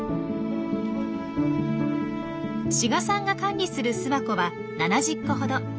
志賀さんが管理する巣箱は７０個ほど。